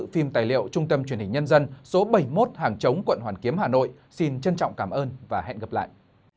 và hẹn gặp lại